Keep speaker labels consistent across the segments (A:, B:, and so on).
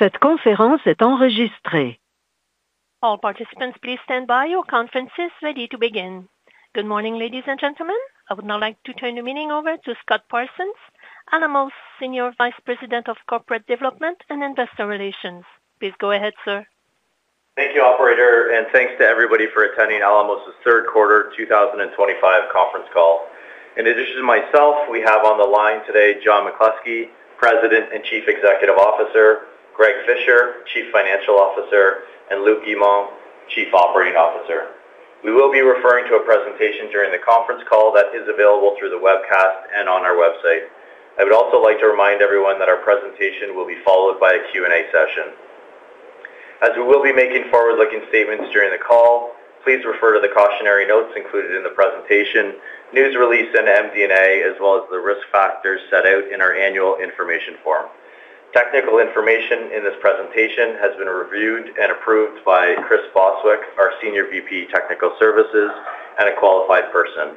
A: All participants please stand by. Your conference is ready to begin. Good morning, ladies and gentlemen. I would now like to turn the meeting over to Scott Parsons, Alamos Senior Vice President of Corporate Development and Investor Relations. Please go ahead, sir.
B: Thank you, operator, and thanks to everybody for attending. Alamos Gold Inc. third quarter 2025 conference call. In addition to myself, we have on the line today John McCluskey, President and Chief Executive Officer, Greg Fisher, Chief Financial Officer, and Luc Guimond, Chief Operating Officer. We will be referring to a presentation. During the conference call that is available. Through the webcast and on our website, I would also like to remind everyone that our presentation will be followed by a Q and A session as we. Will be making forward-looking statements during the call. Please refer to the cautionary notes included in the presentation, news release, and MD&A as well as the risk factors set out in our annual information form. Technical information in this presentation has been reviewed and approved by Chris Bostwick, our Senior Vice President, Technical Services and a qualified person.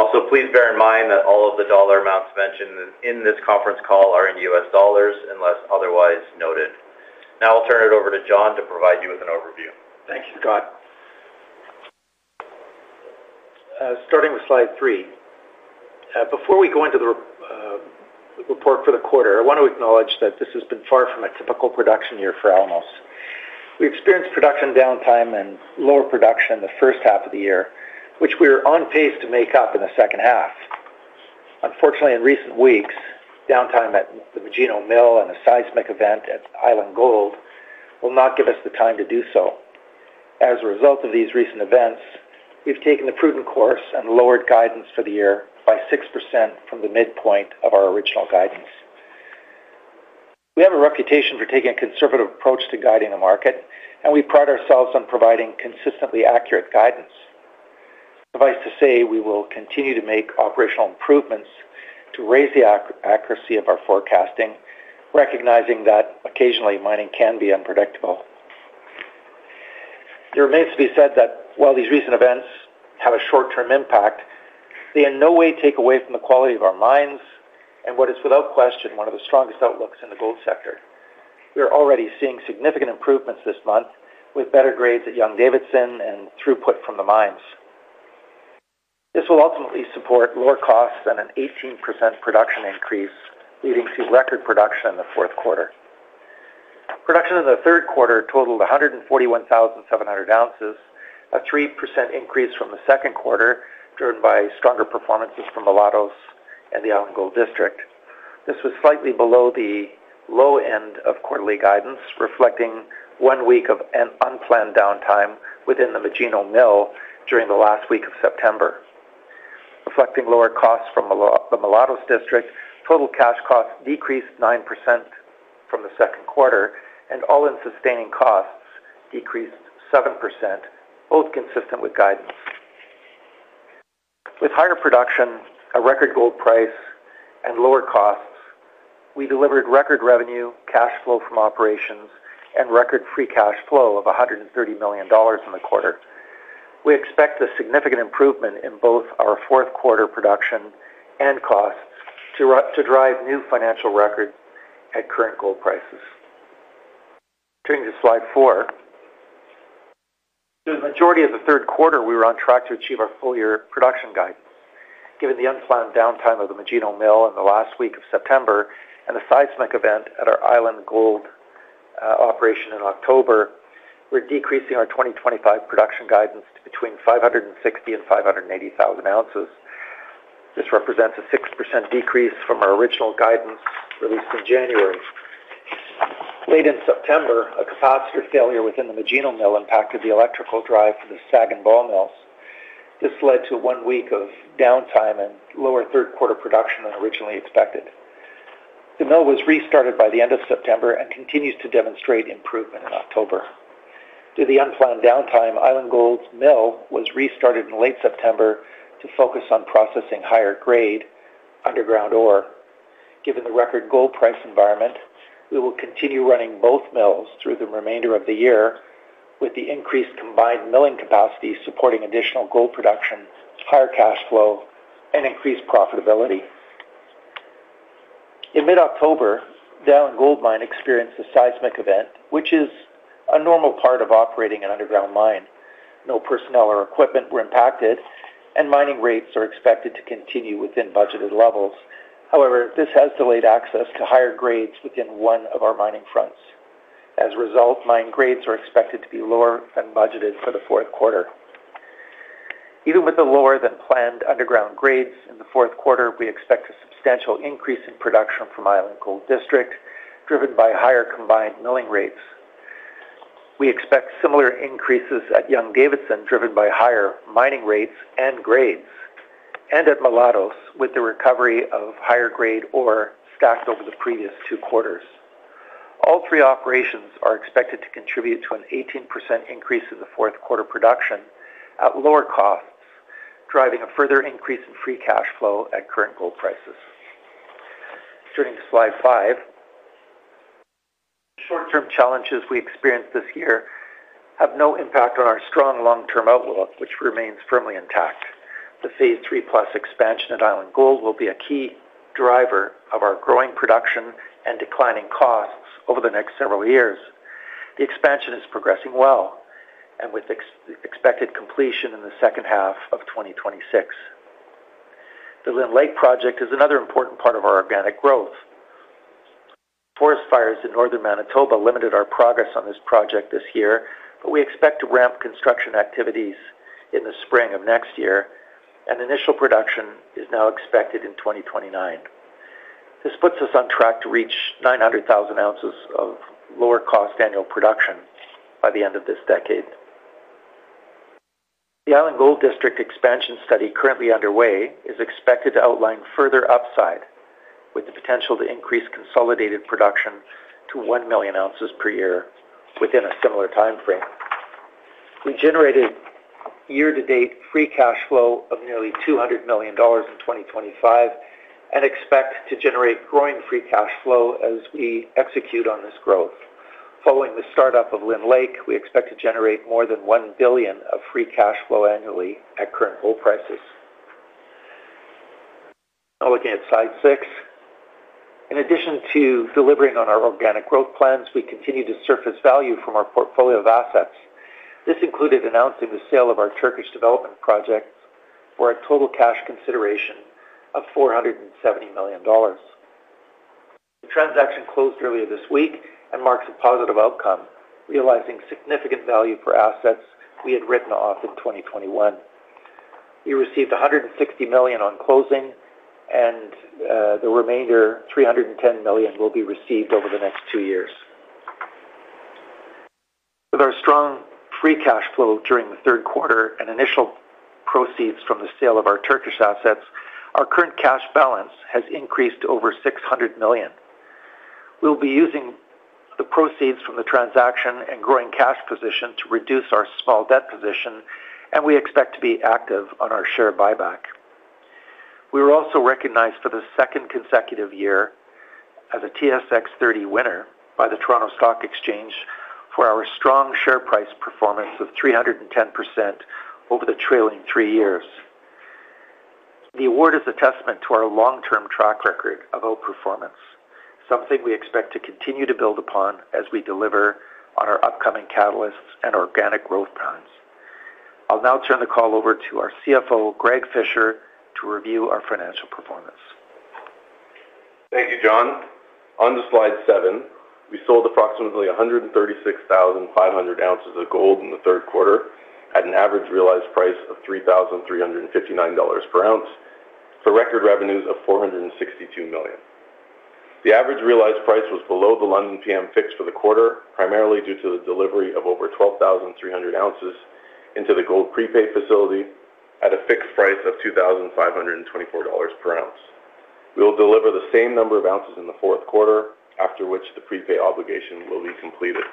B: Also, please bear in mind that all of the dollar amounts mentioned in this conference call are in U.S. Dollars unless otherwise noted. Now I'll turn it over to John to provide you with an overview.
C: Thank you, Scott. Starting with slide three. Before we go into the report for the quarter, I want to acknowledge that this has been far from a typical production year for Alamos Gold Inc. We experienced production downtime and lower production the first half of the year, which we're on pace to make up in the second half. Unfortunately, in recent weeks, downtime at the Magino Mill and a seismic event at Island Gold will not give us the time to do so. As a result of these recent events, we've taken the prudent course and lowered guidance for the year by 6% from the midpoint of our original guidance. We have a reputation for taking a conservative approach to guiding the market and we pride ourselves on providing consistently accurate guidance. Suffice to say, we will continue to make operational improvements to raise the accuracy of our forecasting, recognizing that occasionally mining can be unpredictable. It remains to be said that while these recent events have a short-term impact, they in no way take away from the quality of our mines and what is without question one of the strongest outlooks in the gold sector. We are already seeing significant improvements this month with better grades at Young-Davidson and throughput from the mines. This will ultimately support lower costs and an 18% production increase leading to record production in the fourth quarter. Production in the third quarter totaled 141,700 oz, a 3% increase from the second quarter driven by stronger performances from Mulatos and the Island Gold District. This was slightly below the low end of quarterly guidance reflecting one week of unplanned downtime within the Magino Mill during the last week of September reflecting lower costs from the Mulatos District. Total cash costs decreased 9% from the second quarter and all-in sustaining costs decreased 7%, both consistent with guidance. With higher production, a record gold price, and lower costs, we delivered record revenue, cash flow from operations, and record free cash flow of $130 million in the quarter. We expect a significant improvement in both our fourth quarter production and costs to drive new financial records at current gold prices. Turning to slide 4. The majority of the third quarter we were on track to achieve our full year production guidance. Given the unplanned downtime of the Magino Mill in the last week of September and the seismic event at our Island Gold District operation in October, we're decreasing our 2025 production guidance to between 560,000 and 580,000 oz. This represents a 6% decrease from our original guidance released in January. Late in September, a capacitor failure within the Magino Mill impacted the electrical drive for the SAG and ball mills. This led to one week of downtime and lower third quarter production than originally expected. The mill was restarted by the end of September and continues to demonstrate improvement in October due to the unplanned downtime. Island Gold's mill was restarted in late September to focus on processing higher grade underground ore. Given the record gold price environment, we will continue running both mills through the remainder of the year with the increased combined milling capacity supporting additional gold production, higher cash flow, and increased profitability. In mid-October, Young-Davidson mine experienced a seismic event which is a normal part of operating an underground mine. No personnel or equipment were impacted and mining rates are expected to continue within budgeted levels. However, this has delayed access to higher grades within one of our mining fronts. As a result, mine grades are expected to be lower than budgeted for the fourth quarter. Even with the lower than planned underground grades in the fourth quarter, we expect a substantial increase in production from Island Gold District driven by higher combined milling rates. We expect similar increases at Young-Davidson driven by higher mining rates and grades and at Mulatos, with the recovery of higher grade ore stacked over the previous two quarters. All three operations are expected to contribute to an 18% increase in the fourth quarter production at lower costs, driving a further increase in free cash flow at current gold prices. Turning to slide 5, short term challenges we experienced this year have no impact on our strong long term outlook which remains firmly intact. The Phase 3+ Expansion at Island Gold will be a key driver of our growing production and declining costs over the next several years. The expansion is progressing well and with expected completion in the second half of 2026. The Lynn Lake project is another important part of our organic growth. Forest fires in Northern Manitoba limited our progress on this project this year, but we expect to ramp construction activities in the spring of next year and initial production is now expected in 2029. This puts us on track to reach 900,000 oz of lower cost annual production by the end of this decade. The Island Gold District Expansion study currently underway is expected to outline further upside with the potential to increase consolidated production to 1 million ounces per year within a similar time frame. We generated year to date free cash flow of nearly $200 million in 2024 and expect to generate growing free cash flow as we execute on this growth. Following the startup of Lynn Lake, we expect to generate more than $1 billion of free cash flow annually at current gold prices. Now looking at Slide 6, in addition to delivering on our organic growth plans, we continue to surface value from our portfolio of assets. This included announcing the sale of our Turkish development project for a total cash consideration of $470 million. The transaction closed earlier this week and marks a positive outcome. Realizing significant value for assets we had written off in 2021, we received $160 million on closing and the remainder $310 million will be received over the next two years. With our strong free cash flow during the third quarter and initial proceeds from the sale of our Turkish assets, our current cash balance has increased to over $600 million. We will be using the proceeds from the transaction and growing cash position to reduce our small debt position and we expect to be active on our share buyback. We were also recognized for the second consecutive year as a TSX 30 winner by the Toronto Stock Exchange for our strong share price performance of 310% over the trailing three years. The award is a testament to our long term track record of outperformance, something we expect to continue to build upon as we deliver on our upcoming catalysts and organic growth plans. I'll now turn the call over to our CFO Greg Fisher to review our financial performance.
D: Thank you, John. On to Slide 7. We sold approximately 136,500 oz of gold in the third quarter at an average realized price of $3,359 per ounce for record revenues of $462 million. The average realized price was below the London PM fixed for the quarter, primarily due to the delivery of over 12,300 ounces into the gold prepaid facility at a fixed price of $2,524 per ounce. We will deliver the same number of. Ounces in the fourth quarter, after which the prepay obligation will be completed.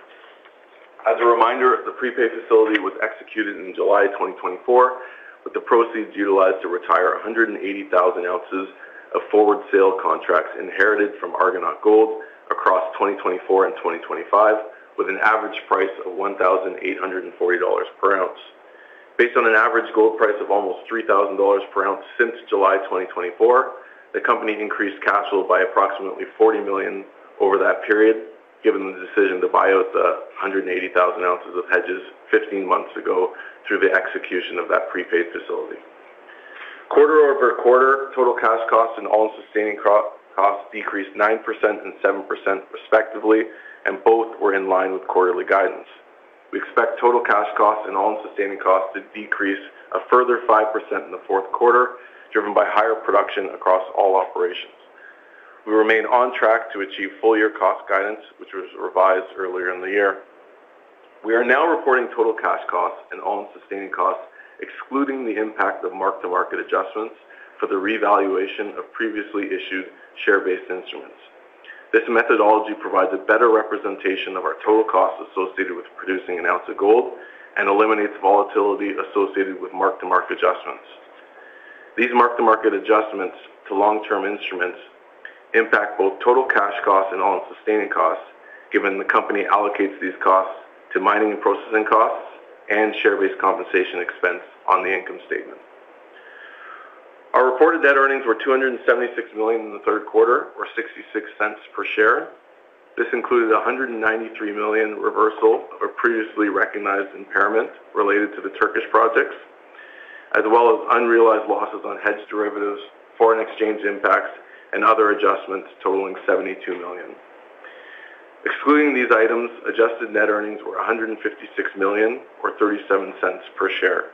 D: As a reminder, the prepay facility was executed in July 2024 with the proceeds utilized to retire 180,000 oz of forward sale contracts inherited from Argonaut Gold across 2024 and 2025 with an average price of $1,840 per ounce. Based on an average gold price of almost $3,000 per ounce since July 2024, the company increased cash flow by approximately $40 million over that period. Given the decision to buy out the 180,000 oz of hedges 15 months ago through the execution of that prepay facility, quarter over quarter total cash cost and all-in sustaining costs decreased 9% and 7% respectively, and both were in line with quarterly guidance. We expect total cash costs and all-in sustaining costs to decrease a further 5% in the fourth quarter driven by higher production across all operations. We remain on track to achieve full year cost guidance which was revised earlier in the year. We are now reporting total cash costs and all-in sustaining costs excluding the impact of mark-to-market adjustments for the revaluation of previously issued share-based instruments. This methodology provides a better representation of our total costs associated with producing an ounce of gold and eliminates volatility associated with mark-to-market adjustments. These mark-to-market adjustments to long-term instruments impact both total cash costs and all-in sustaining costs, given the company allocates these costs to mining and processing costs and share-based compensation expense on the income statement. Our reported net earnings were $276 million in the third quarter or $0.66 per share. This included a $193 million reversal of previously recognized impairment related to the Turkish projects as well as unrealized losses on hedge derivatives, foreign exchange impacts, and other adjustments totaling $72 million. Excluding these items, adjusted net earnings were $157 million or $0.37 per share.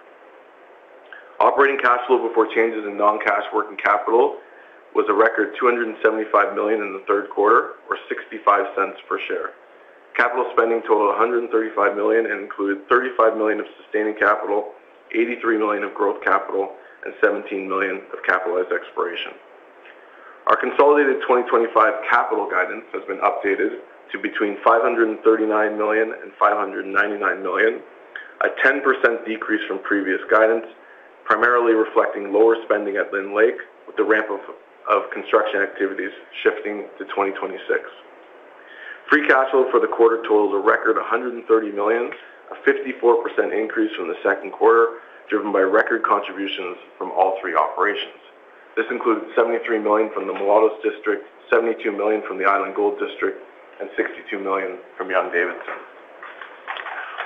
D: Operating cash flow before changes in non-cash working capital was a record $275 million in the third quarter or $0.65 per share. Capital spending totaled $135 million and included $35 million of sustaining capital, $83 million of growth capital, and $17 million of capitalized exploration. Our consolidated 2025 capital guidance has been updated to between $539 million and $599 million, a 10% decrease from previous guidance, primarily reflecting lower spending at Lynn Lake. With the ramp up of construction activities shifting to 2026, free cash flow for the quarter totals a record $130 million, a 54% increase from the second quarter driven by record contributions from all three operations. This includes $73 million from the Mulatos District, $72 million from the Island Gold District, and $62 million from Young-Davidson.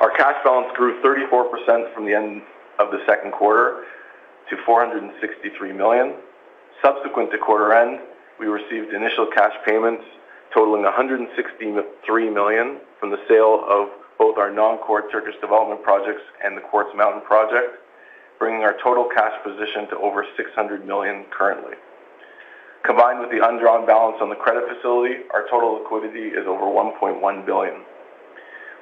D: Our cash balance grew 34% from the end of the second quarter to $463 million. Subsequent to quarter end, we received initial cash payments totaling $163 million from the sale of both our non-core Turkish development projects and the Quartz Mountain project, bringing our total cash position to over $600 million. Currently, combined with the undrawn balance on the credit facility, our total liquidity is over $1.1 billion.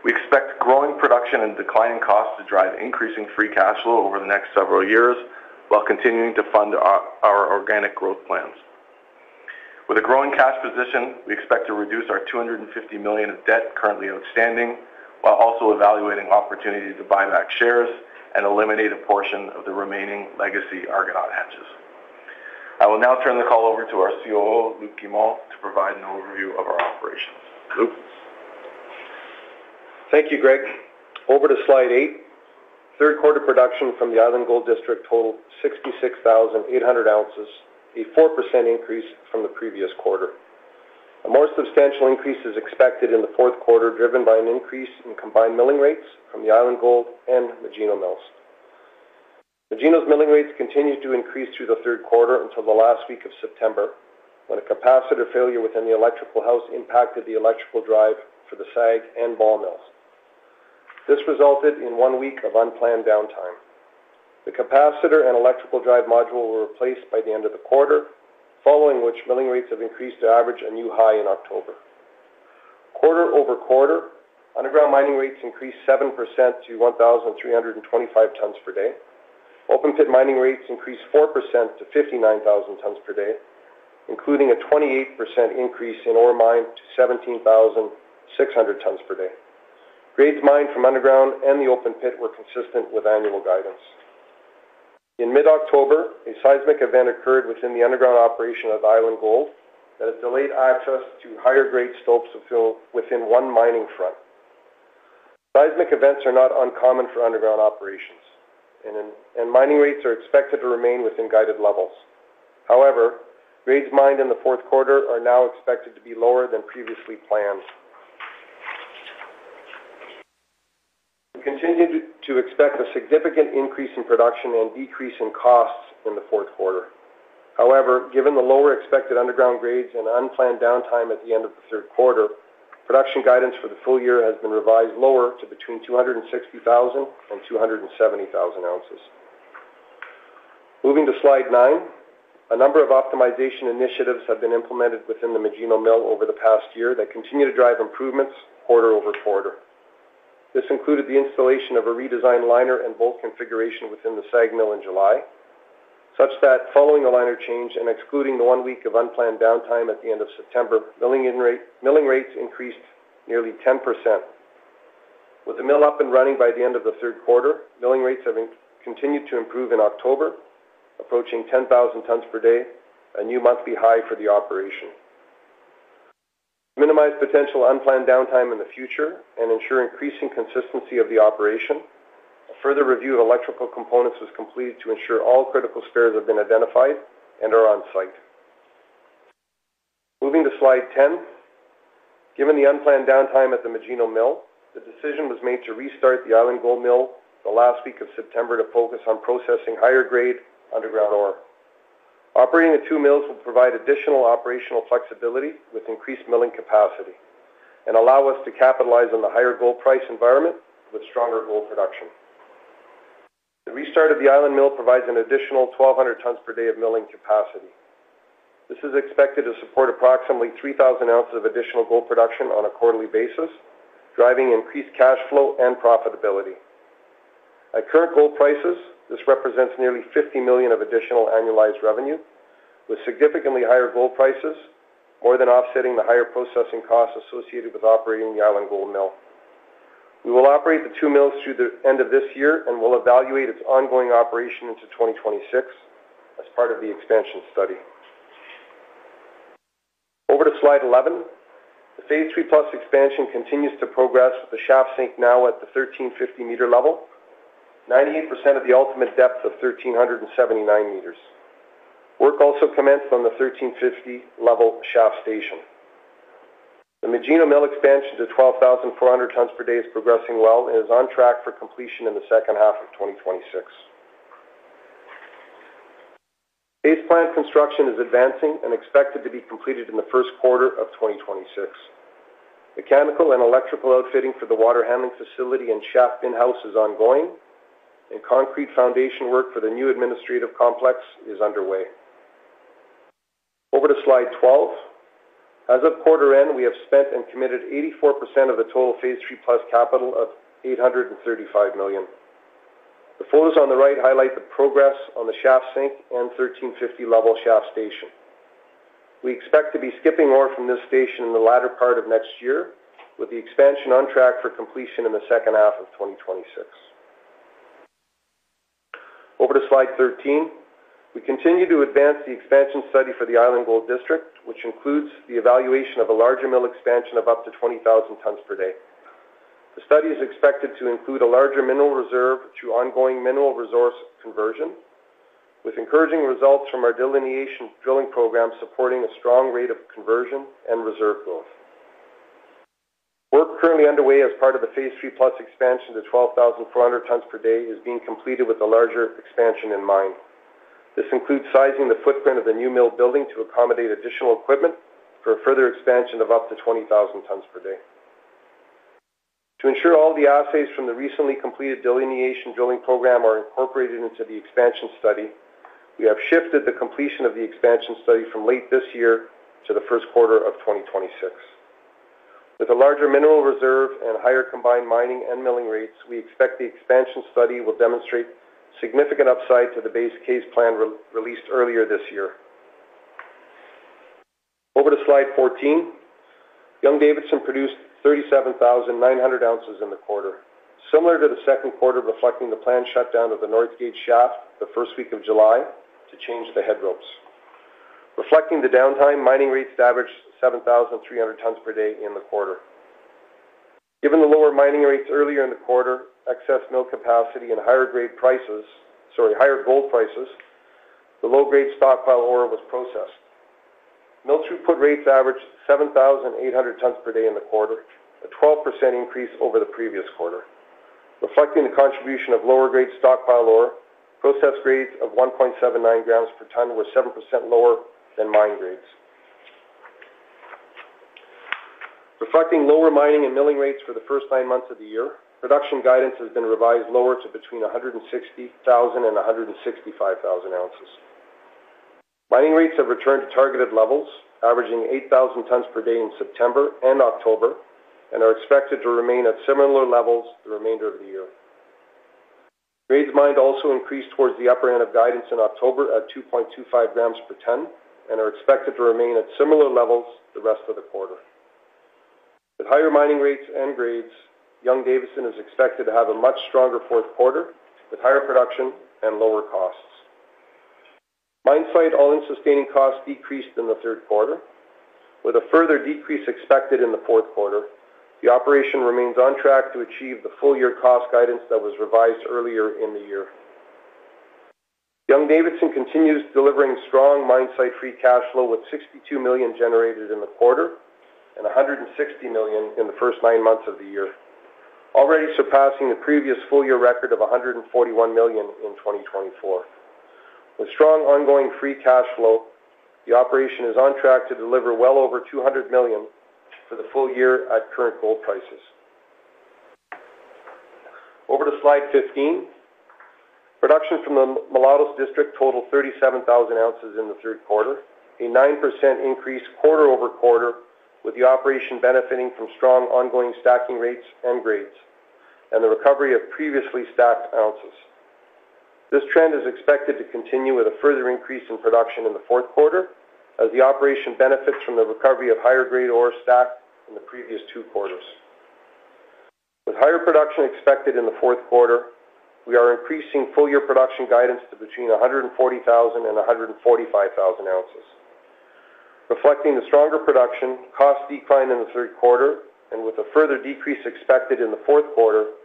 D: We expect growing production and declining costs to drive increasing free cash flow over the next several years while continuing to fund our organic growth plans. With a growing cash position, we expect to reduce our $250 million of debt currently outstanding while also evaluating opportunities to buy back shares and eliminate a portion of the remaining legacy Argonaut hedges. I will now turn the call over to our Chief Operating Officer, Luc Guimond, to provide an overview of our operations. Luke.
E: Thank you, Greg. Over to slide 8. Third quarter production from the Island Gold District totaled 66,800 oz, a 4% increase from the previous quarter. A more substantial increase is expected in the fourth quarter driven by an increase in combined milling rates from the Island Gold and Magino mills. Magino's milling rates continued to increase through the third quarter until the last week of September, when a capacitor failure within the electrical house impacted the electrical drive for the SAG and ball mills. This resulted in one week of unplanned downtime. The capacitor and electrical drive module were replaced by the end of the quarter, following which milling rates have increased to average a new high in October. Quarter over quarter, underground mining rates increased 7% to 1,325 tons per day. Open pit mining rates increased 4% to 59,000 tons per day, including a 28% increase in ore mined to 17,600 tons per day. Grades mined from underground and the open pit were consistent with annual guidance. In mid-October, a seismic event occurred within the underground operation of Island Gold that has delayed access to higher grade stopes within one mining front. Seismic events are not uncommon for underground operations, and mining rates are expected to remain within guided levels. However, grades mined in the fourth quarter are now expected to be lower than previously planned. We continue to expect a significant increase in production and decrease in costs in the fourth quarter. However, given the lower expected underground grades and unplanned downtime at the end of the third quarter, production guidance for the full year has been revised lower to between 260,000 and 270,000 oz. Moving to slide 9, a number of optimization initiatives have been implemented within the Magino Mill over the past year that continue to drive improvements quarter over quarter. This included the installation of a redesigned liner and bolt configuration within the SAG Mill in July, such that following a liner change and excluding the one week of unplanned downtime at the end of September, milling rates increased nearly 10%. With the mill up and running by the end of the third quarter, milling rates have continued to improve in October, approaching 10,000 tons per day, a new monthly high for the operation. This will minimize potential unplanned downtime in the future and ensure increasing consistency of the operation. A further review of electrical components was completed to ensure all critical spares have been identified and are on site. Moving to slide 10, given the unplanned downtime at the Magino Mill, the decision was made to restart the Island Gold Mill the last week of September to focus on processing higher grade underground ore. Operating the two mills will provide additional operational flexibility with increased milling capacity and allow us to capitalize on the higher gold price environment with stronger gold production. The restart of the Island Gold Mill provides an additional 1,200 tons per day of milling capacity. This is expected to support approximately 3,000 oz of additional gold production on a quarterly basis, driving increased cash flow and profitability at current gold prices. This represents nearly $50 million of additional annualized revenue with significantly higher gold prices, more than offsetting the higher processing costs associated with operating the Island Gold Mill. We will operate the two mills through the end of this year and will evaluate its ongoing operation into 2026 as part of the expansion study. Over to slide 11. The Phase 3+ Expansion at Island Gold continues to progress with the shaft sink now at the 1,350 m level, 98% of the ultimate depth of 1,379 m. Work also commenced on the 1,350 level shaft station. The Magino Mill expansion to 12,400 tons per day is progressing well and is on track for completion in the second half of 2026. Base plant construction is advancing and expected to be completed in the first quarter of 2026. Mechanical and electrical outfitting for the water handling facility and shaft bin houses are ongoing, and concrete foundation work for the new administrative complex is underway. Over to slide 12. As of quarter end, we have spent and committed 84% of the total Phase 3+ capital of $835 million. The photos on the right highlight the progress on the shaft sink and 1,350 level shaft station. We expect to be skipping ore from this station in the latter part of next year with the expansion on track for completion in the second half of 2026. Over to slide 13. We continue to advance the expansion study for the Island Gold District, which includes the evaluation of a larger mill expansion of up to 20,000 tons per day. The study is expected to include a larger mineral reserve through ongoing mineral resource conversion with encouraging results from our delineation drilling program supporting a strong rate of control conversion and reserve growth. Work currently underway as part of the Phase 3+ Expansion at Island Gold to 12,400 tons per day is being completed with a larger expansion in mind. This includes sizing the footprint of the new mill building to accommodate additional equipment for a further expansion of up to 20,000 tons per day. To ensure all the assays from the recently completed delineation drilling program are incorporated into the expansion study, we have shifted the completion of the expansion study from late this year to the first quarter of 2026. With a larger mineral reserve and higher combined mining and milling rates, we expect the expansion study will demonstrate significant upside to the base case plan released earlier this year. Over to Slide 14, Young-Davidson mine produced 37,900 oz in the quarter, similar to the second quarter, reflecting the planned shutdown of the Northgate shaft the first week of July to change the head ropes reflecting the downtime. Mining rates averaged 7,300 tons per day in the quarter. Given the lower mining rates earlier in the quarter, excess mill capacity, and higher gold prices, the low grade stockpile ore was processed. Mill throughput rates averaged 7,800 tons per day in the quarter, a 12% increase over the previous quarter, reflecting the contribution of lower grade stockpile ore. Process grades of 1.79 g per ton were 7% lower than mine grades, reflecting lower mining and milling rates for the first nine months of the year. Production guidance has been revised lower to between 160,000 and 165,000 oz. Mining rates have returned to targeted levels, averaging 8,000 tons per day in September and October, and are expected to remain at similar levels the remainder of the year. Grades mined also increased towards the upper end of guidance in October at 2.25 g per ton and are expected to remain at similar levels the rest of the quarter. With higher mining rates and grades, Young-Davidson mine is expected to have a much stronger fourth quarter with higher production and lower costs. Mine site all-in sustaining costs decreased in the third quarter with a further decrease expected in the fourth quarter. The operation remains on track to achieve the full year cost guidance that was revised earlier in the year. Young-Davidson continues delivering strong mine site free cash flow with $62 million generated in the quarter and $160 million in the first nine months of the year, already surpassing the previous full year record of $141 million in 2024. With strong ongoing free cash flow, the operation is on track to deliver well over $200 million for the full year at current gold prices. Over to Slide 15. Production from the Mulatos District totaled 37,000 oz in the third quarter, a 9% increase quarter over quarter with the operation benefiting from strong ongoing stacking rates and grades and the recovery of previously stacked ounces. This trend is expected to continue with a further increase in production in the fourth quarter as the operation benefits from the recovery of higher grade ore stacked in the previous two quarters. With higher production expected in the fourth quarter, we are increasing full year production guidance to between 140,000 and 145,000 oz reflecting the stronger production cost decline in the third quarter and with a further decrease expected in the fourth quarter,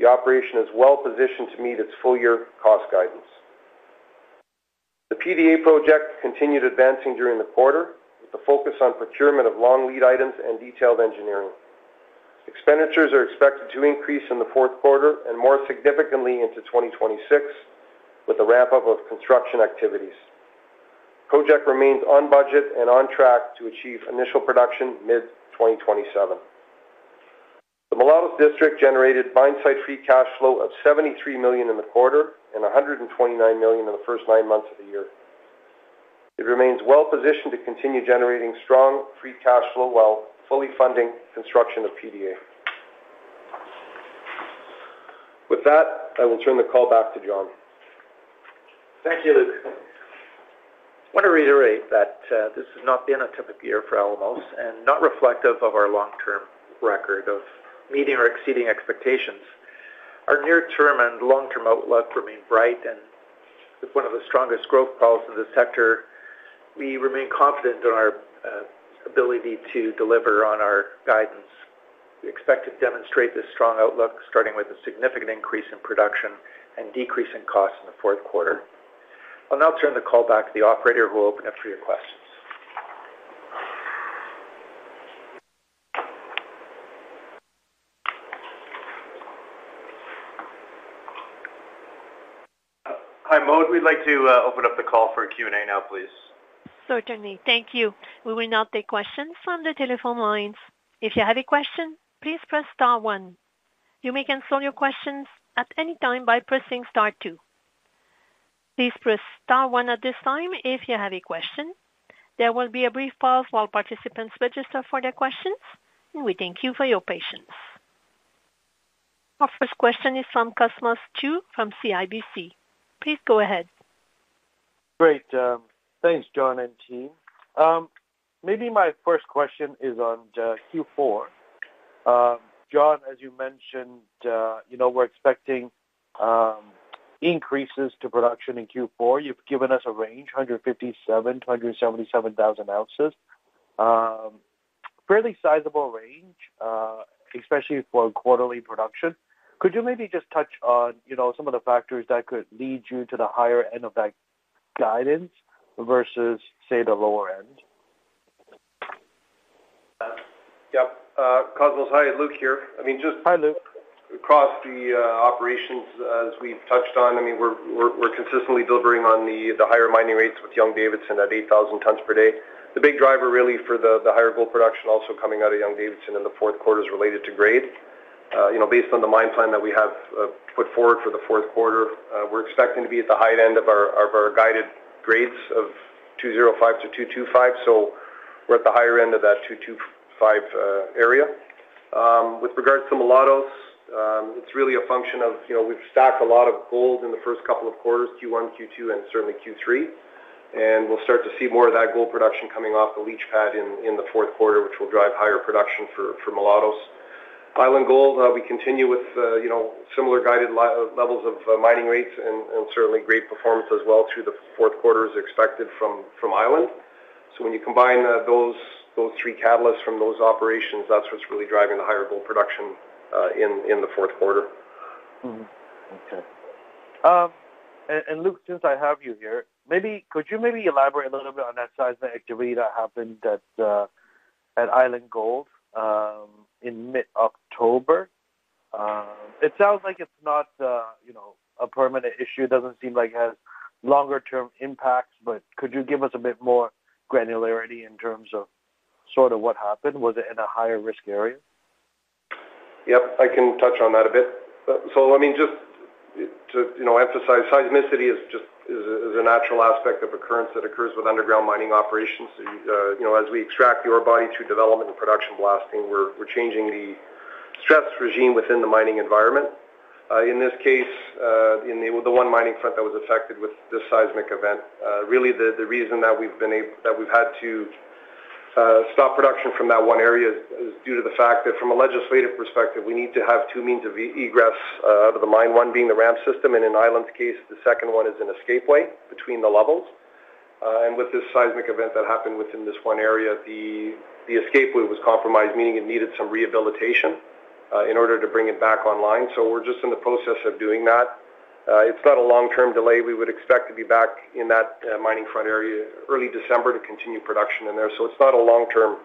E: the operation is well positioned to meet its full year cost guidance. The PDA project continued advancing during the quarter with the focus on procurement of long lead items and detailed engineering. Expenditures are expected to increase in the fourth quarter and more significantly into 2026 with the ramp up of construction activities. COJEK remains on budget and on track to achieve initial production mid 2027. The Mulatos District generated mine site free cash flow of $73 million in the quarter and $129 million in the first nine months of the year. It remains well positioned to continue generating strong free cash flow while fully funding construction of PDA. With that I will turn the call back to John.
C: Thank you, Luc. I want to reiterate that this has not been a typical year for Alamos Gold Inc. and is not reflective of our long-term record of meeting or exceeding expectations. Our near-term and long-term outlook remain bright, with one of the strongest growth problems in the sector. We remain confident in our ability to deliver. On our guidance, we expect to demonstrate this strong outlook starting with a significant increase in price production and decreasing costs. In the fourth quarter. I'll now turn the call back to the operator, who will open it for your questions.
B: Hi, Mode, we'd like to open up. The call for Q&A now, please.
A: Certainly. Thank you. We will now take questions from the telephone lines. If you have a question, please press *1. You may cancel your questions at any time by pressing *2. Please press *1 at this time. If you have a question, there will be a brief pause while participants register for their questions. We thank you for your patience. Our first question is from Cosmos Chiu from CIBC. Please go ahead.
F: Great. Thanks, John and team. Maybe my first question is on Q4. John, as you mentioned, you know, we're expecting increases to production in Q4. You've given us a range, 157,000 oz-177,000 oz, fairly sizable range, especially for quarterly production. Could you maybe just touch on, you know, some of the factors that could lead you to the higher end of that guidance versus, say, the lower end?
E: Yep. Cosmos. Hi, Luc here. I mean, just across the operations as we've touched on, we're consistently delivering on the higher mining rates with Young-Davidson at 8,000 tons per day. The big driver really for the higher gold production also coming out of Young-Davidson in the fourth quarter is related to grade. You know, based on the mine plan that we have put forward for the fourth quarter, we're expecting to be at the high end of our guided grades of 2.05-2.25. So we're at the higher end of that 2.25 area. With regards to Mulatos, it's really a function of, you know, we've stacked a lot of gold in the first couple of quarters, Q1, Q2, and certainly Q3. We'll start to see more of that gold production coming off the leach pad in the fourth quarter, which will drive higher production for Mulatos. Island Gold, we continue with similar guided levels of mining rates and certainly great performance as well through the fourth quarter as expected from Island. When you combine those three catalysts from those operations, that's what's really driving the higher gold production in the fourth quarter.
F: Luc, since I have you here, could you maybe elaborate a little bit on that seismic activity that happened at Island Gold in mid October? It sounds like it's not a permanent issue. It doesn't seem like it has longer term impacts. Could you give us a bit more granularity in terms of what happened? Was it in a higher risk area?
E: Yep, I can touch on that a bit. Just to emphasize, seismicity is just a natural aspect of a crisis that occurs with underground mining operations. As we extract the ore body through development and production blasting, we're changing the stress regime within the mining environment. In this case, the one mining front that was affected with this seismic event, really the reason that we've had to stop production from that one area is due to the fact that from a legislative perspective, we need to have two means of egress out of the mine. One being the ramp system, and in Island's case, the second one is an escape way between the levels. With this seismic event that happened within this one area, the escape way was compromised, meaning it needed some rehabilitation in order to bring it back online. We're just in the process of doing that. It's not a long-term delay. We would expect to be back in that mining front area early December to continue production in there. It's not a long-term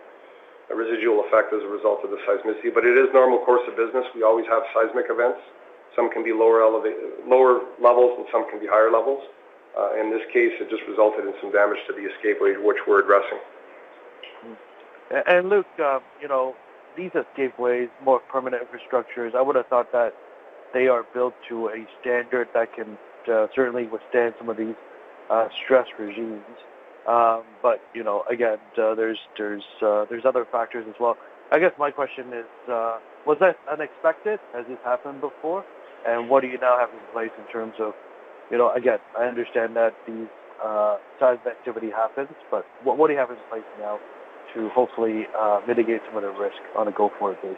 E: residual effect as a result of the seismic, but it is normal course of business. We always have seismic events. Some can be lower levels and some can be higher levels. In this case, it just resulted in some damage to the escape way, which we're addressing.
F: Luc, you know, these escape ways, more permanent infrastructures, I would have thought that they are built to a standard that can certainly withstand some of these stress regimes. There are other factors as well. I guess my question is, was that unexpected? Has this happened before? What do you now have in place in terms of, you know, I understand that these types of activity happen, but what do you have in place now to hopefully mitigate some of the risk on a go forward basis?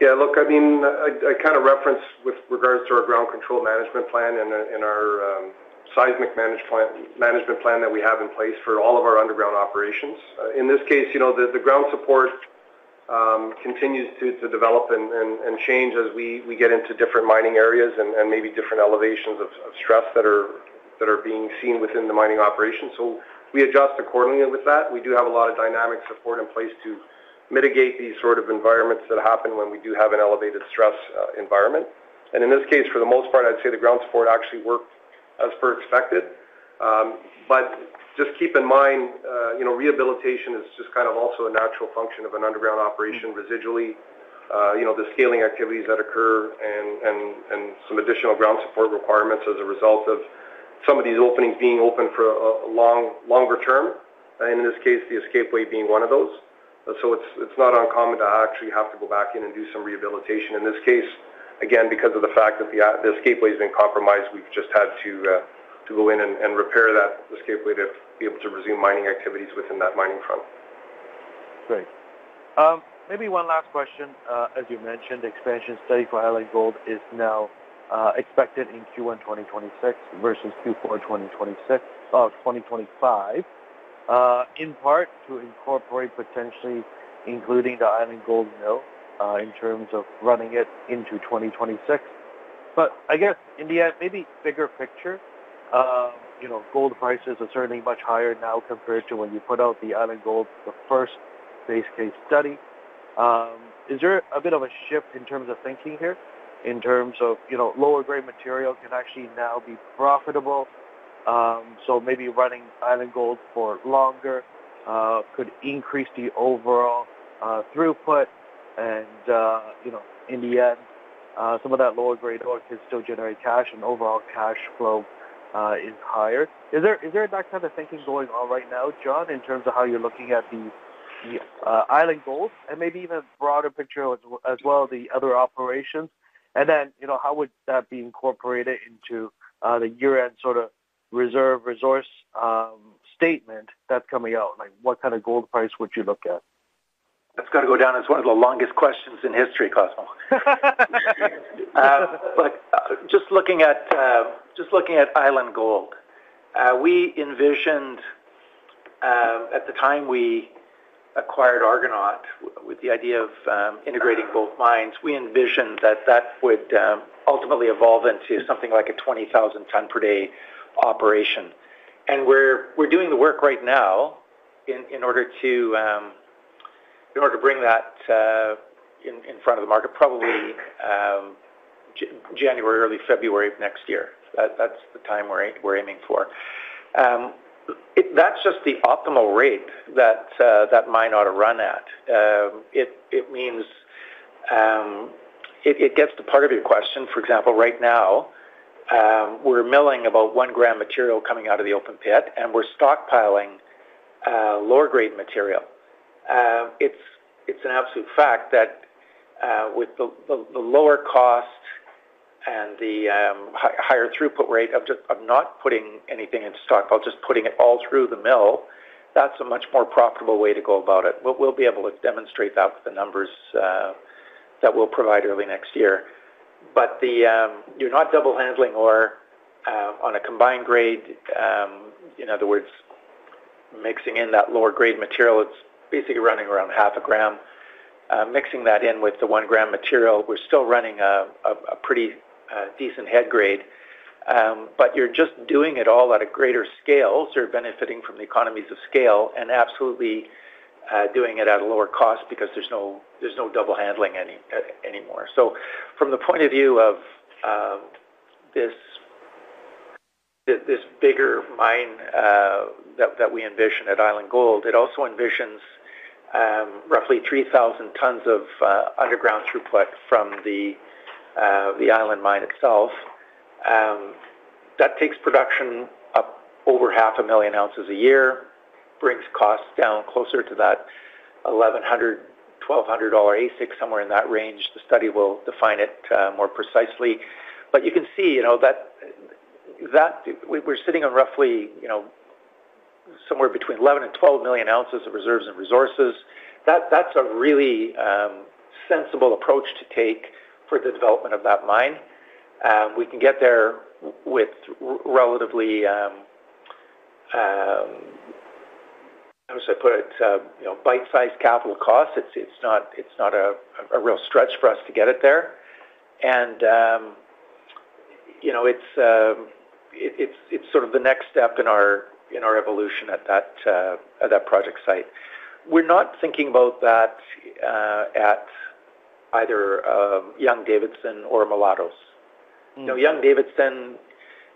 E: Yeah, look, I mean, I referenced with regards to our ground control management plan and in our seismic management plan that we have in place for all of our underground operations. In this case, the ground support continues to develop and change as we get into different mining areas and maybe different elevations of stress that are being seen within the mining operation. We adjust accordingly with that. We do have a lot of dynamic support in place to mitigate these sort of environments that happen when we do have an elevated stress. In this case, for the most part, I'd say the ground support actually worked as per expected. Just keep in mind, rehabilitation is also a natural function of an underground operation. Residually, the scaling activities that occur and some additional ground support requirements as a result of some of these openings being open for longer term, and in this case, the escapeway being one of those. It's not uncommon to actually have to go back in and do some rehabilitation. In this case, again, because of the fact that the escapeway was being compromised, we've just had to go in and repair that escapeway to resume mining activities within that mining front. Great.
F: Maybe one last question. As you mentioned, the expansion study for Island Gold is now expected in Q1 2026 versus Q4 2025, in part to incorporate potentially including the Island Gold mill in terms of running it into 2026. I guess in the end, maybe bigger picture, you know, gold prices are certainly much higher now compared to when you put out the Island Gold, the first base case study. Is there a bit of a shift in terms of thinking here in terms of lower grade material can actually now be profitable? Maybe running Island Gold for longer could increase the overall throughput, and you know, in the end, some of that lower grade ore could still generate cash and overall cash flow is higher. Is there that kind of thinking going on right now, John, in terms of how you're looking at Island Gold and maybe even broader picture as well, the other operations? How would that be incorporated into the year-end sort of reserve resource statement that's coming out? What kind of gold price would you look at?
C: That's got to go down as one of the longest questions in history, Cosmo. Just looking at Island Gold, we envisioned at the time we acquired Argonaut with the idea of integrating both mines. We envisioned that that would ultimately evolve into something like a 20,000 ton per day operation. We're doing the work right now in order to bring that in front of the market, probably January, early February of next year. That's the time we're aiming for. That's just the optimal rate that mine ought to run at. It means it gets to part of your question. For example, right now we're milling about 1 gram material coming out of the open pit and we're stockpiling lower grade material. It's an absolute fact that with the lower cost and the higher throughput rate of not putting anything in stockpile, just putting it all through the mill, that's a much more profitable way to go about it. We'll be able to demonstrate that with the numbers that we'll provide early next year. You're not double handling ore on a combined grade. In other words, mixing in that lower grade material. It's basically running around half a gram. Mixing that in with the 1 gram material, we're still running a pretty decent head grade. You're just doing it all at a greater scale. You're benefiting from the economies of scale and absolutely doing it at a lower cost because there's no double handling anymore. From the point of view of this bigger mine that we envision at Island Gold, it also envisions roughly 3,000 tons of underground throughput from the Island mine itself. That takes production up over half a million ounces a year, brings costs down closer to that $1,100, $1,200 ASIC, somewhere in that range. The study will define it more precisely, but you can see we're sitting on roughly somewhere between 11 and 12 million ounces of reserves and resources. That's a really sensible approach to take for the development of that mine. We can get there with relatively. How. Should I put it, bite sized capital costs. It's not a real stretch for us to get it there and you know, it's sort of the next step in our evolution at that project site. We're not thinking about that at either Young-Davidson or Mulatos. Young-Davidson,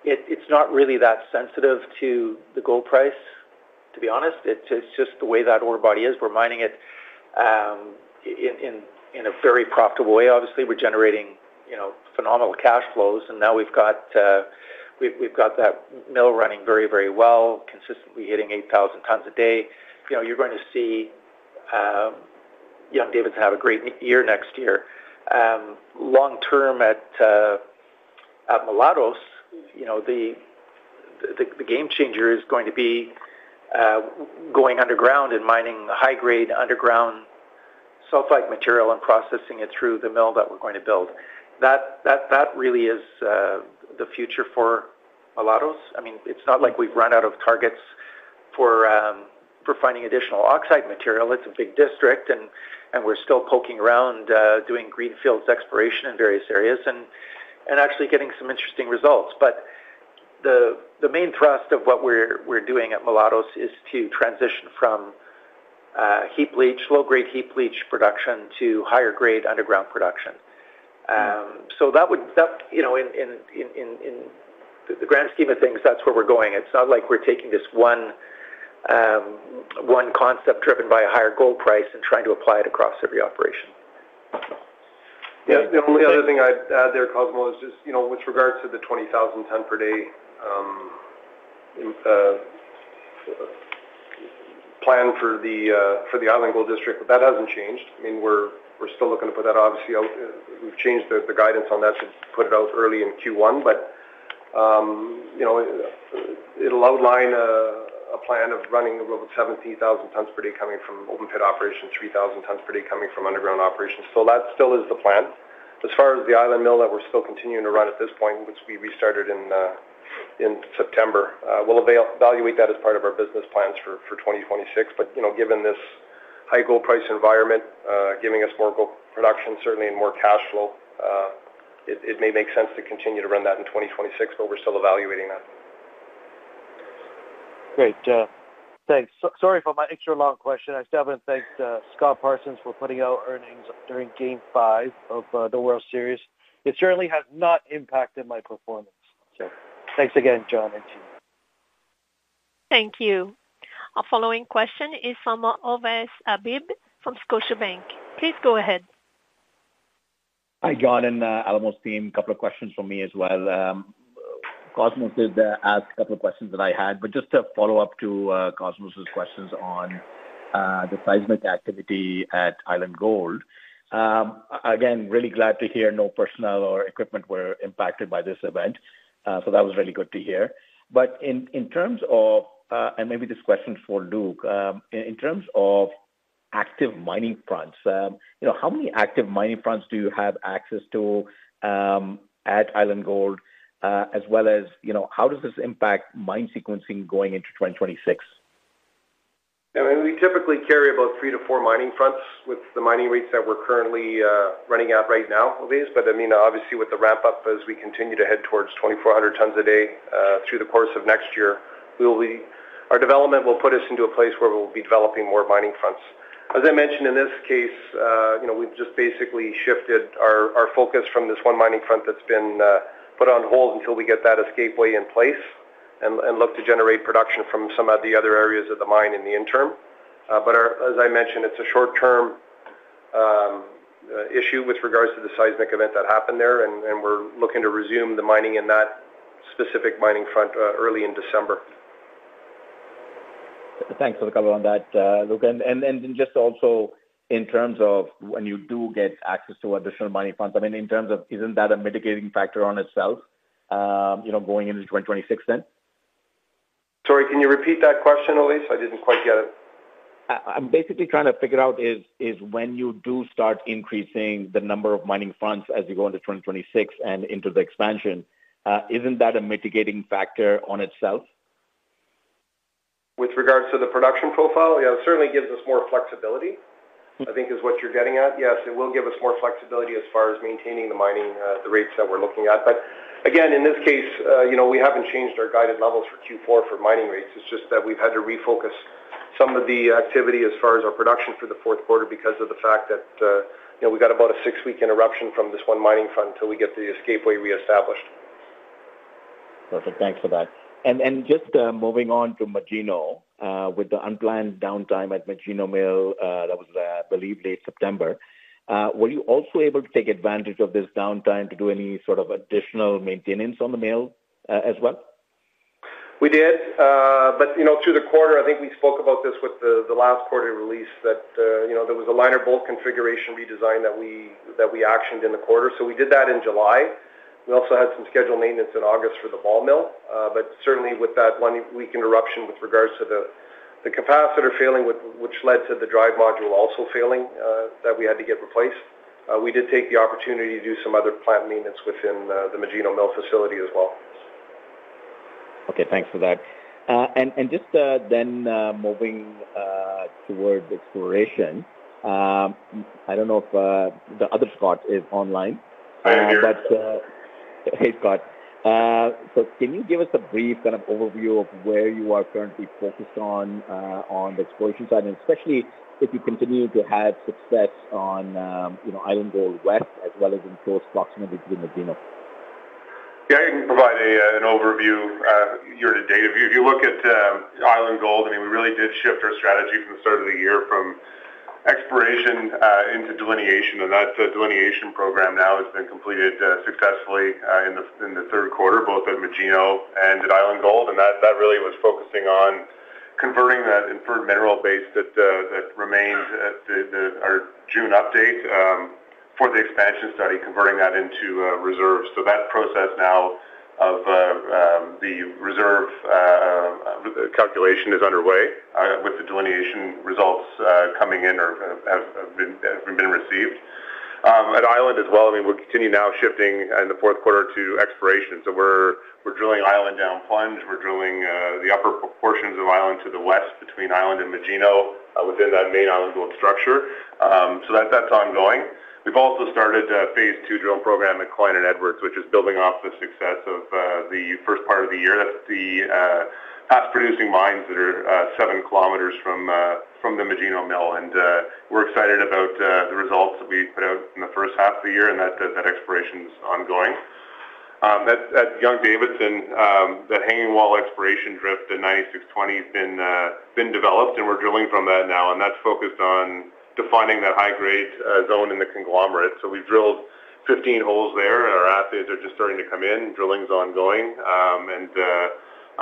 C: it's not really that sensitive to the gold price to be honest. It's just the way that ore body is. We're mining it in a very profitable way. Obviously we're generating, you know, phenomenal cash flows and now we've got that mill running very, very well, consistently hitting 8,000 tons a day. You know, you're going to see Young-Davidson have a great year next year. Long term at Mulatos, you know, the game changer is going to be going underground and mining high grade underground sulfide material and processing it through the mill that we're going to build. That really is the future for Mulatos. I mean it's not like we've run out of targets for finding additional oxide material. It's a big district and we're still poking around doing greenfields exploration in various areas and actually getting some interesting results. The main thrust of what we're doing at Mulatos is to transition from heap leach, low grade heap leach production to higher grade underground production. In the grand scheme of things that's where we're going. It's not like we're taking this one concept driven by a higher gold price and trying to apply it across every operation.
E: The only other thing there, Cosmo, is just, you know, with regards to the 20,000 ton per day plan for the Island Gold District. That hasn't changed. I mean, we're still looking to put that obviously out. We've changed the guidance on that to put it out early in Q1. You know, it'll outline a plan of running 17,000 tons per day coming from open pit operation, 3,000 tons per day coming from underground operations. That still is the plan as far as the Island mill that we're still continuing to run at this point, which we restarted in September. We'll evaluate that as part of our business plans for 2026. You know, given this high gold price environment, giving us more gold production certainly and more cash flow, it may make sense to continue to run that in 2026. We're still evaluating that. Great. Thanks.
F: Sorry for my extra long question. I still haven't thanked Scott Parsons for putting out earnings during game five of the World Series. It certainly has not impacted my performance. Thanks again, John and Gui.
A: Thank you. A following question is from Ovais Habib from Scotiabank. Please go ahead.
G: Hi, John, Alamos team. A couple of questions for me as well. Cosmos asked a couple of questions that I had. Just a follow up to Cosmos' questions on the seismic activity at Island Gold. Really glad to hear no personnel or equipment were impacted by this event. That was really good to hear. In terms of, and maybe this question is for Luke, in terms of active mining fronts, how many active mining fronts do you have access to at Island Gold? As well as, how does this impact mine sequencing going into 2026?
E: We typically carry about three to four mining fronts with the mining rates that we're currently running at right now. Obviously, with the ramp up as we continue to head towards 2,400 tons a day through the course of next year, our development will put us into a place where we'll be developing more mining fronts. As I mentioned, in this case, we've just basically shifted our focus from this one mining front that's been put on hold until we get that escape way in place and look to generate production from some of the other areas of the mine in the interim. As I mentioned, it's a short term issue with regards to the seismic event that happened there. We're looking to resume the mining in that specific mining front early in December.
G: Thanks for the color on that, Luc. Also, in terms of when you do get access to additional money funds, I mean, isn't that a mitigating factor on itself? You know, going into 2026, then.
E: Sorry, can you repeat that question, Ovais? I didn't quite get it.
G: I'm basically trying to figure out, is when you do start increasing the number of mining funds as you go into 2026 and into the expansion, isn't that a mitigating factor on itself.
E: With regards to the production profile? It certainly gives us more flexibility, I think is what you're getting at. Yes, it will give us more flexibility as far as maintaining the mining rates that we're looking at. Again, in this case, we haven't changed our guided levels for Q4 for mining rates. It's just that we've had to refocus some of the activity as far as our production for the fourth quarter because of the fact that we got about a six week interruption from this one mining front until we get the escapeway re-established.
G: Perfect. Thanks for that. Just moving on to Magino. With the unplanned downtime at Magino Mill that was, I believe, late September, were you also able to take advantage of this downtime to do any sort of additional maintenance on the mill as well?
E: We did. Through the quarter, I think we spoke about this with the last quarter release that there was a liner bolt configuration redesign that we actioned in the quarter. We did that in July. We also had some scheduled maintenance in August for the ball mill. Certainly, with that one week interruption with regards to the capacitor failing, which led to the drive module also failing, that we had to get replaced, we did take the opportunity to do some other plant maintenance within the Magino Mill facility as well.
G: Okay, thanks for that. Just moving towards exploration. I don't know if the other Scott is online. Hey Scott, can you give us a brief. Kind of overview of where you are. Currently focused on the exposure side and especially if you continue to have success on Island Gold west as well as in close proximate.
B: Yeah, you can provide an overview year to date. If you look at Island Gold, we really did shift our strategy from the start of the year from exploration into delineation. That delineation program now has been completed successfully in the third quarter, both at Magino and at Island Gold. That really was focusing on converting that inferred mineral base that remains at our June update for the expansion study, converting that into reserves. That process now of the reserve calculation is underway with the delineation results coming in or have been received at Island as well. We continue now shifting in the fourth quarter to exploration. We're drilling Island down plunge. We're drilling the upper portions of Island to the west between Island and Magino within that main Island belt structure. That is ongoing. We've also started Phase Two drill program at Klein and Edwards, which is building off the success of the first part of the year. That's the past producing mines that are 7 km from the Magino Mill, and we're excited about the results that we put out in the first half of the year. Exploration is ongoing at Young-Davidson. That hanging wall exploration drift at 9620 has been developed, and we're drilling from that now. That's focused on defining that high grade zone in the conglomerate. We've drilled 15 holes there. Our assays are just starting to come in. Drilling is ongoing,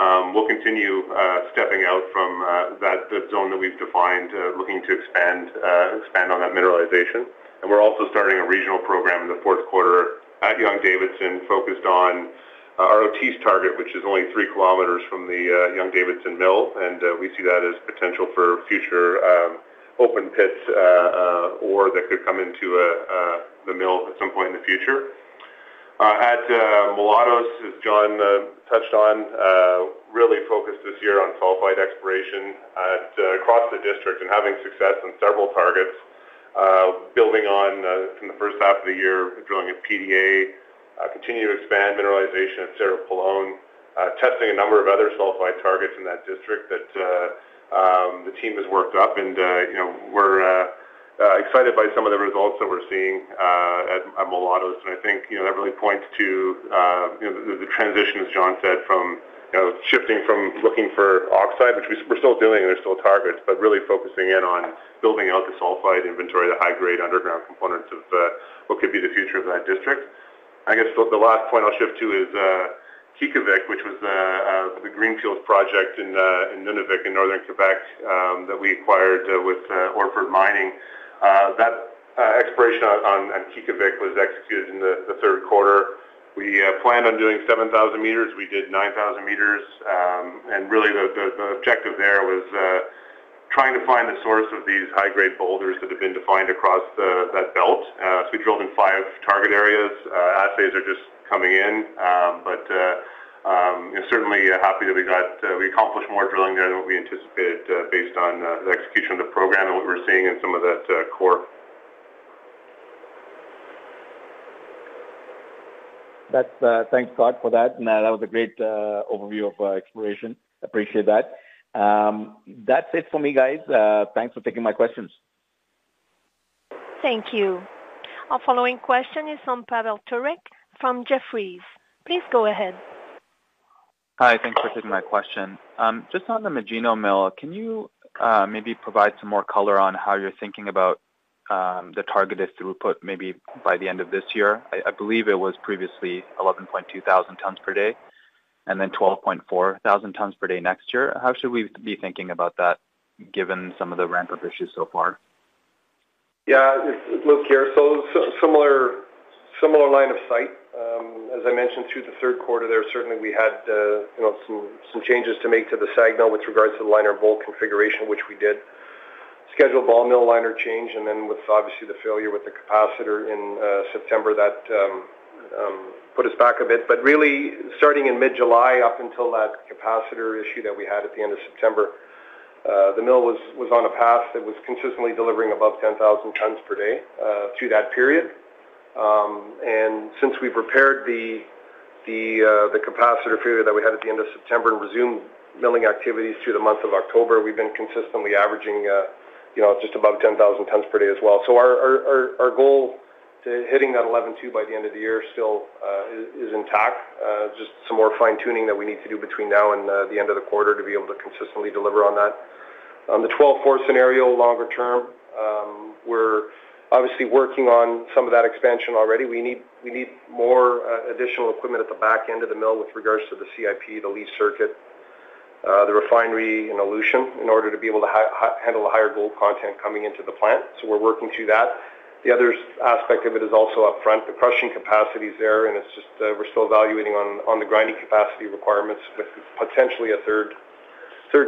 B: and we'll continue stepping out from that zone that we've defined, looking to expand on that mineralization. We're also starting a regional program. That fourth quarter at Young-Davidson focused on ROT's target, which is only 3 km from the Young-Davidson mill. We see that as potential for future open pits, ore that could come into the mill at some point in the future. At Mulatos, as John touched on, really focused this year on sulfide exploration across the district and having success in several targets. Building on in the first half of the year, drilling at PDA, continuing to expand mineralization at Cerro Pelon, testing a number of other sulfide targets in that district that the team has worked up. We're excited by some of the results that we're seeing at Mulatos. I think that really points to the transition, as John said, from shifting from local looking for oxide, which we're still doing. There are still targets, but really focusing in on building out the sulfide inventory, the high grade underground components of what could be the future of that district. I guess the last point I'll shift. This is Kykavik, which was the greenfield project in Nunavik in Northern Quebec that we acquired with Orford Mining. That exploration on Kykavik was executed in the third quarter. We planned on doing 7,000 m. We did 9,000 m, and really the objective there was trying to find the source of these high-grade boulders that have been defined across that belt. We drilled in five target areas. Assays are just coming in. Certainly happy that we accomplished more drilling there than what we anticipated based on the execution of the program and what we're seeing in some of that core.
G: Thanks, Scott, for that. That was a great overview of exploration. Appreciate that. That's it for me, guys. Thanks for taking my questions.
A: Thank you. Our following question is from Parel Turek from Jefferies, please go ahead. Hi. Thanks for taking my question. Just on the Magino Mill, can you maybe provide some more color on how you're thinking about the targeted throughput maybe by the end of this year? I believe it was previously 11,200 tons per day and then 12,400 tons per day next year. How should we be thinking about that given some of the ramp up issues so far?
E: Yeah, Luc here. Similar line of sight as I mentioned, through the third quarter there certainly we had some changes to make to the SAG mill with regards to the liner bolt configuration, which we did schedule ball mill liner change. Obviously, the failure with the capacitor in September put us back a bit. Really starting in mid July, up until that capacitor issue that we had at the end of September, the mill was on a path that was consistently delivering above 10,000 tons per day through that period. Since we've repaired the capacitor failure that we had at the end of September and resumed milling activities through the month of October, we've been consistently averaging just above 10,000 tons per day as well. Our goal to hitting that 11.2 by the end of the year still is intact. Just some more fine tuning that we need to do between now and the end of the quarter to be able to consistently deliver that. The 12.4 scenario, longer term, we're obviously working on some of that expansion already. We need more additional equipment at the back end of the mill with regards to the CIP, the leach circuit, the refinery, and elution in order to be able to handle a higher gold content coming into the plant. We're working through that. The other aspect of it is also up front, the crushing capacity is there. We're still evaluating on the grinding capacity requirements with potentially a third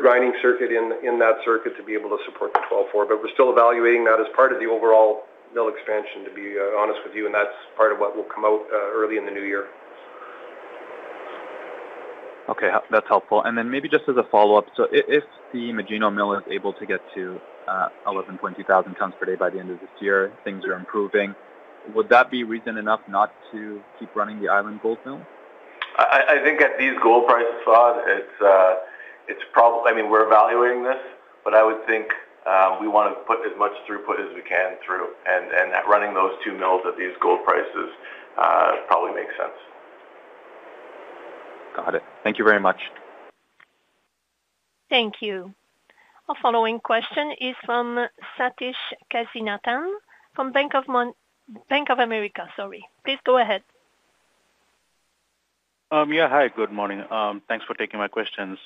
E: grinding circuit in that circuit to be able to support the 12.4. We're still evaluating that as part of the overall mill expansion, to be honest with you. That's part of what will come out early in the new year. Okay, that's helpful. Maybe just as a follow up, if the Magino Mill is able to get to 11.2 thousand tons per day by the end of this year, things are improving. Would that be reason enough not to keep running the Island Gold? I think at these gold prices, Fahad, it's probably. I mean we're evaluating this, but I would think we want to put as much throughput as we can through, and running those two mills at these gold prices probably makes sense. Got it. Thank you very much.
A: Thank you. Our following question is from Satish Kasinathan from Bank of America. Sorry. Please go ahead.
H: Yeah, hi, good morning. Thanks for taking my questions.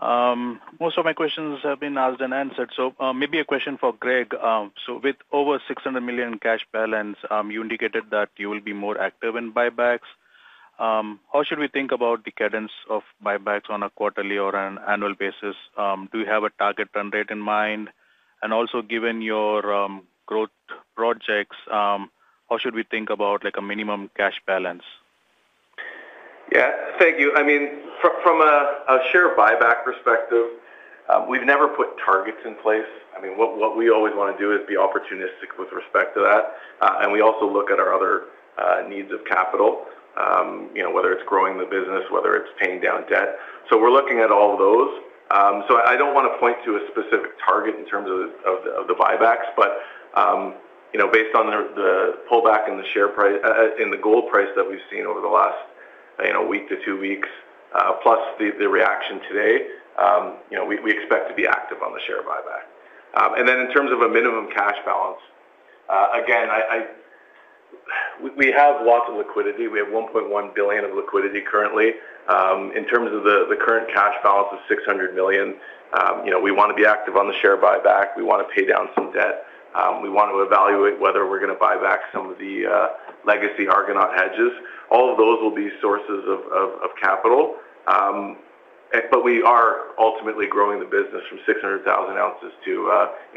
H: Most of my questions have been asked and answered, maybe a question for Greg. With over $600 million cash balance, you indicated that you will be more active in buybacks. How should we think about the cadence of buybacks on a quarterly or an annual basis? Do you have a target run rate in mind? Also, given your growth projects, how should we think about, like, a minimum cash balance?
D: Thank you. I mean, from a share buyback perspective, we've never put targets in place. What we always want to do is be opportunistic with respect to that. We also look at our other needs of capital, whether it's growing the business or paying down debt. We're looking at all of those. I don't want to point to a specific target in terms of the buybacks, but based on the pullback in the share price, in the gold price that we've seen over the last week to two weeks, plus the reaction today, we expect to be active on the share buyback. In terms of a minimum cash balance, again, we have lots of liquidity. We have $1.1 billion of liquidity currently in terms of the current cash balance of $600 million. We want to be active on the share buyback, we want to pay down some debt, we want to evaluate whether we're going to buy back some of the legacy Argonaut Gold hedges. All of those will be sources of capital, but we are ultimately growing the business from 600,000 oz to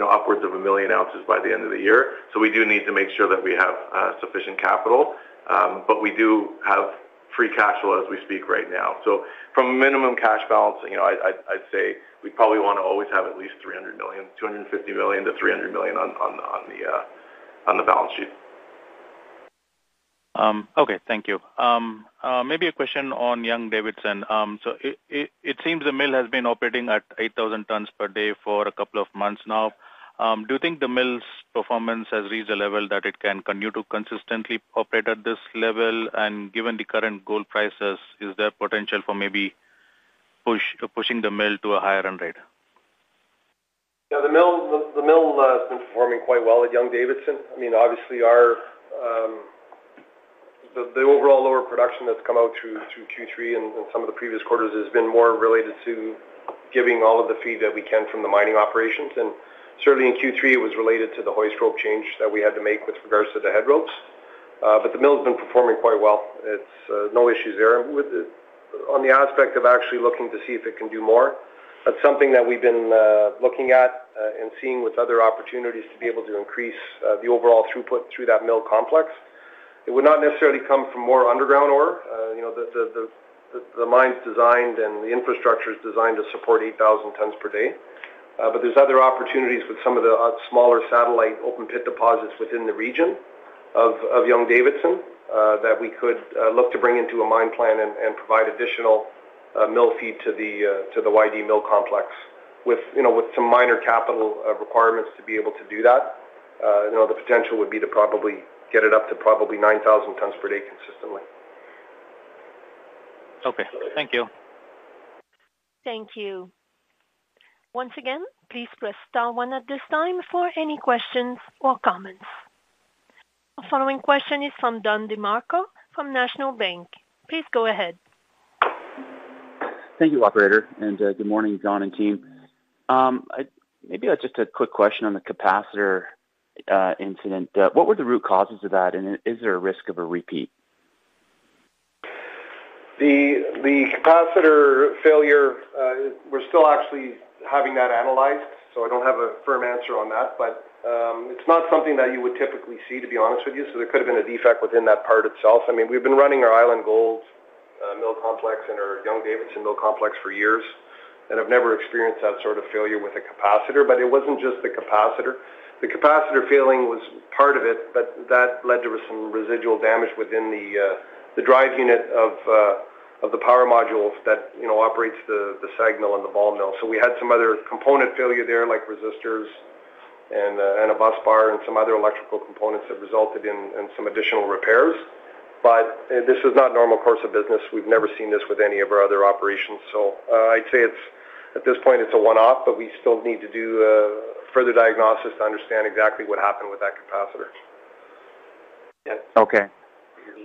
D: upwards of a million ounces by the end of the year. We do need to make sure that we have sufficient capital, but we do have free cash flow as we speak right now. From minimum cash balance, I'd say we probably want to always have at least $300 million, $250 million to $300 million on the balance sheet.
H: Okay, thank you. Maybe a question on Young-Davidson. It seems the mill has been operating at 8,000 tonnes per day for a couple of months now. Do you think the mill's performance has reached a level that it can continue to consistently operate at this level? Given the current gold prices, is there potential for maybe pushing the mill to a higher end rate?
E: The mill has been performing quite well at Young-Davidson. Obviously, the overall lower production that's come out through Q3 and some of the previous quarters has been more related to giving all of the feed that we can from the mining operations. Certainly in Q3, it was related to the hoist rope change that we had to make with regards to the head ropes. The mill has been performing quite well, no issues there. On the aspect of actually looking to see if it can do more, that's something that we've been looking at and seeing with other opportunities to be able to increase the overall throughput through that mill complex. It would not necessarily come from more underground ore. You know, the mine's designed and the infrastructure is designed to support 8,000 tons per day. There are other opportunities with some of the smaller satellite open pit deposits within the region of Young-Davidson that we could look to bring into a mine plan and provide additional mill feed to the YD mill complex with some minor capital requirements to be. Able to do that. The potential would be to probably get it up to probably 9,000 tons per day consistently.
H: Okay, thank you.
A: Thank you. Once again, please press*1 at this time for any questions or comments. The following question is from Don DeMarco from National Bank. Please go ahead.
I: Thank you, operator, and good morning, Don and team. Maybe just a quick question on the capacitor incident. What were the root causes of that, and is there a risk of a repeat?
E: The capacitor failure? We're still actually having that analyzed. I don't have a firm answer on that. It's not something that you would typically see, to be honest with you. There could have been a defect within that part itself. We've been running our Island Gold mill complex and our Young-Davidson mill complex for years, and I've never experienced that sort of failure with a capacitor. It wasn't just the capacitor. The capacitor failing was part of it, but that led to some residual damage within the drive unit of the power modules that operate the SAG mill and the ball mill. We had some other component failure there like resistors and a bus bar and some other electrical components that resulted in some additional repairs. This is not normal course of business. We've never seen this with any of our other operations. I'd say it's at this point. It's a one-off. We still need to do further diagnosis to understand exactly what happened with that capacitor.
I: Okay. I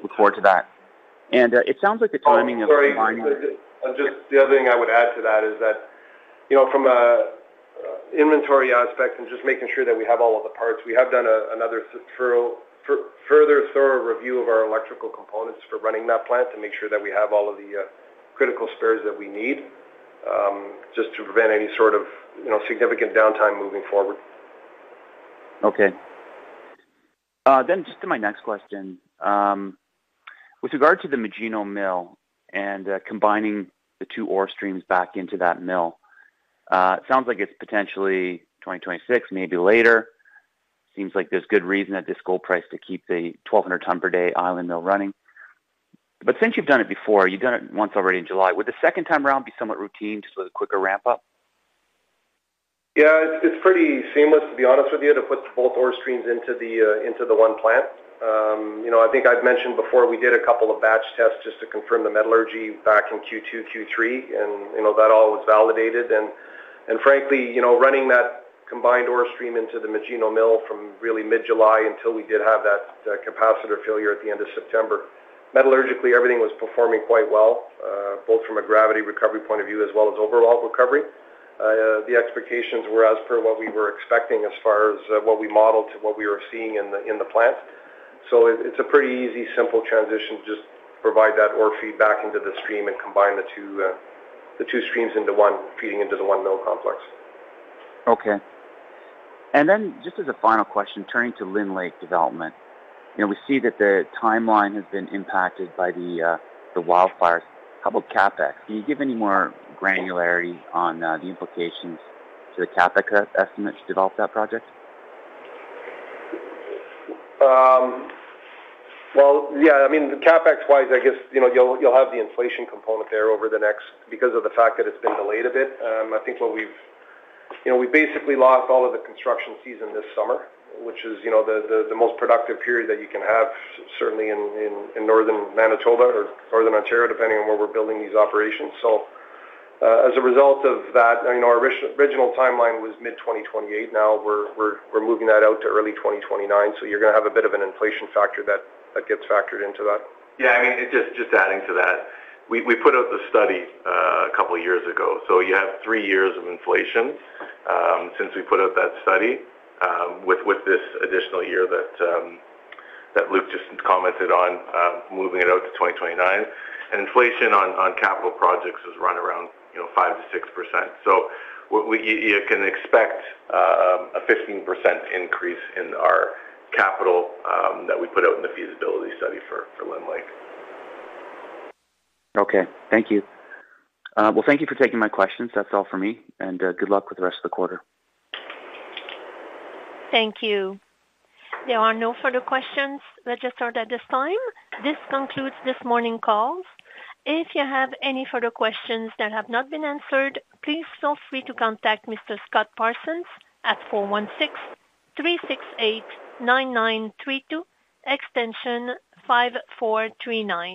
I: look forward to that. It sounds like the timing of mining.
E: The other thing I would add to that is that, you know, from an inventory aspect and just making sure that we have all of the product, we have done another further thorough review of our electrical components for running that plant to make sure that we have all of the critical spares that we need just to prevent any sort of significant downtime moving forward.
I: Okay, then just to my next question. With regard to the Magino Mill and combining the two ore streams back into that mill, it sounds like it's potentially 2026, maybe later. Seems like there's good reason at this gold price to keep the 1,200 ton per day Island mill running. Since you've done it before, you've done it once already in July. Would the second time around be somewhat routine, just with a quicker ramp up?
E: Yeah, it's pretty seamless to be honest with you, to put both ore streams into the one plant. I think I've mentioned before, we did a couple of batch tests just to confirm the metallurgy back in Q2, Q3, and you know, that all was validated. Frankly, you know, running that combined ore stream into the Magino Mill from really mid-July until we did have that capacitor failure at the end of September, metallurgically, everything was performing quite well, both from a gravity recovery point of view as well as overall recovery. The expectations were as per what we were expecting as far as what we modeled to what we were seeing in the plants. It's a pretty easy, simple transition. Just provide that ore feed back into the stream and combine the two streams into one feeding into the one mill complex.
I: Okay. Just as a final question, turning to Lynn Lake development, we see that the timeline has been impacted by the wildfires. How about CapEx? Can you give any more granularity on the implications to the CapEx estimate to develop that project?
E: I mean, capex wise, I guess, you know, you'll have the inflation component there over the next because of the fact that it's been delayed a bit. I think what we've, you know, we basically lost all of the construction season this summer, which is the most productive period that you can have, certainly in northern Manitoba or northern Ontario, depending on where we're building these up. As a result of that, our original timeline was mid-2028. Now we're moving that out to early 2029. You're going to have a bit of an inflation factor that gets factored into that.
D: Yeah, I mean, just adding to that, we put out the study a couple years ago. You have three years of inflation since we put out that study with this additional year that Luke just introduced, commented on moving it out to 2029. Inflation on capital projects has run around 5 to 6%. You can expect a 15% increase in our capital that we put out in the feasibility study for Lynn Lake.
I: Okay, thank you. Thank you for taking my questions. That's all for me. Good luck with the rest of the quarter.
A: Thank you. There are no further questions registered at this time. This concludes this morning. Call if you have any further questions that have not been answered. Please feel free to contact Mr. Scott Parsons at 416-368-9932, extension 5439.